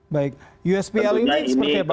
baik usbl ini seperti apa pak